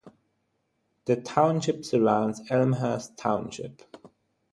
The township surrounds Elmhurst Township.